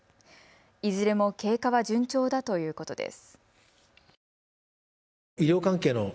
いずれも経過は順調だということです。